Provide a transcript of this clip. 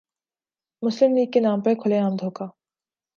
مسلم League کے نام پر کھلے عام دھوکہ ۔